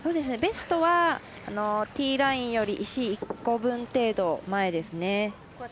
ベストはティーラインより石１個分程度前ですね。